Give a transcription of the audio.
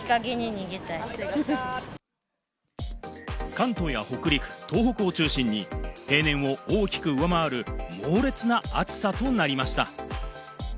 関東や北陸、東北を中心に、平年を大きく上回る猛烈な暑さとなりました。